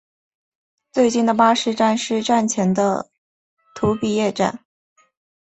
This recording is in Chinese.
最近的巴士站是站前的土笔野站。